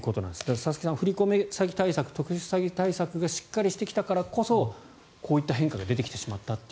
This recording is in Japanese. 佐々木さん、振り込め詐欺対策特殊詐欺対策がしっかりしてきたからこそこうした変化が出てきてしまったと。